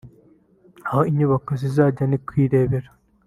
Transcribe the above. aho inyubako zizajya ni ku i Rebero